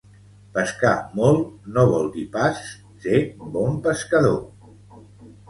Pescar molt no vol dir pas ser bon pescador.